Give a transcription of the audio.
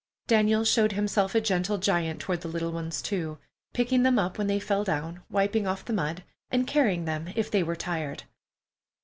Daniel showed himself a gentle giant toward the little ones, too, picking them up when they fell down, wiping off the mud, and carrying them if they were tired.